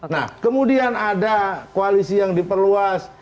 nah kemudian ada koalisi yang diperluas